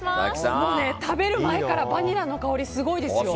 もう食べる前からバニラの香りすごいですよ。